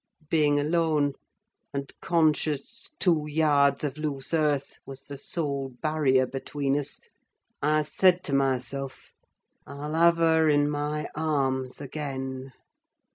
Being alone, and conscious two yards of loose earth was the sole barrier between us, I said to myself—'I'll have her in my arms again!